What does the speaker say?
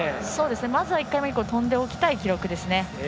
まずは１回目に跳んでおきたい記録ですね。